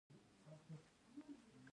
د کندهار په غورک کې د مالګې نښې شته.